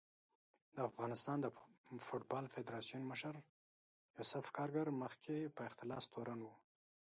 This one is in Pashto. د افغانستان د فوټبال فدارسیون مشر یوسف کارګر مخکې په اختلاس تورن و